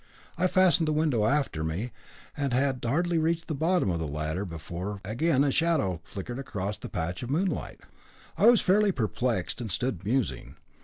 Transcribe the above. I fastened the window after me, and had hardly reached the bottom of the ladder before again a shadow flickered across the patch of moonlight. I was fairly perplexed, and stood musing.